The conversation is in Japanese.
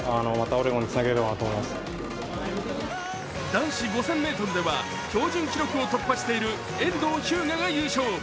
男子５０００ｍでは標準記録を突破している遠藤日向が優勝。